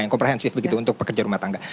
yang komprehensif begitu untuk pekerja rumah tangga